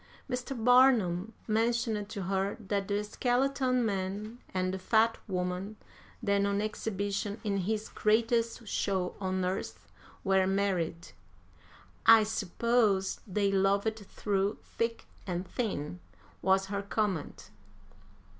"Mr. Barnum mentioned to her that the skeleton man and the fat woman then on exhibition in his 'greatest show on earth' were married. "'I suppose they loved through thick and thin,' was her comment.